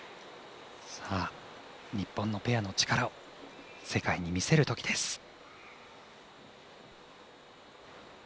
日本のペアの力を世界に見せるときです。